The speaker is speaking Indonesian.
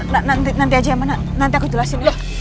nanti aja emang nanti aku jelasin